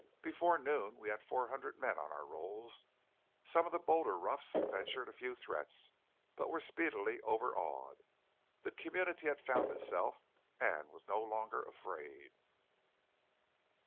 Before noon we had four hundred men on our rolls. Some of the bolder roughs ventured a few threats, but were speedily overawed. The community had found itself, and was no longer afraid.